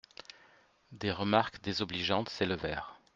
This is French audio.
Des remarques désobligeantes s'élevèrent.